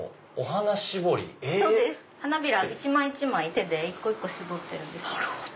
花びら一枚一枚手で一個一個絞ってるんです。